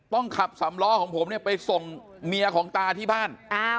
ต้องขับสำล้อของผมเนี่ยไปส่งเมียของตาที่บ้าน